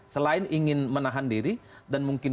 selain ingin menahan diri dan mungkin